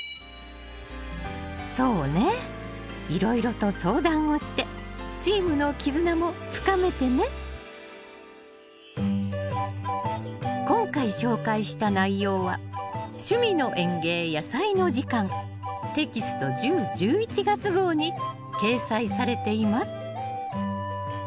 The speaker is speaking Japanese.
そうねいろいろと相談をしてチームの絆も深めてね今回紹介した内容は「趣味の園芸やさいの時間」テキスト１０・１１月号に掲載されています。